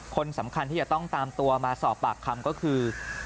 คนสำคัญที่จะต้องตามตัวมาสอบปากคำก็คือ